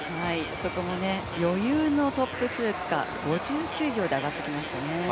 そこも余裕のトップ通過５９秒で上がってきましたね。